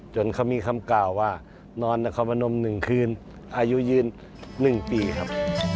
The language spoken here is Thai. จนเขามีคำกล่าวว่านอนนครพนม๑คืนอายุยืน๑ปีครับ